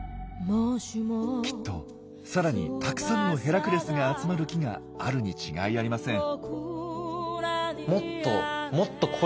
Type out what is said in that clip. きっとさらにたくさんのヘラクレスが集まる木があるに違いありません。